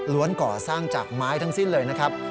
ก่อสร้างจากไม้ทั้งสิ้นเลยนะครับ